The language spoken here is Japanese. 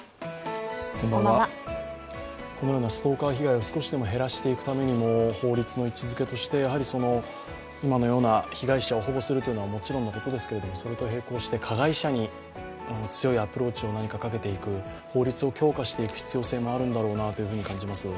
このようなストーカー被害を少しでも減らしていくためにも法律の位置づけとして、やはり今のような被害者を保護するというのはもちろんのことですけれども、それと並行して加害者に強いアプローチを何かかけていく、法律を強化していく必要性を感じます。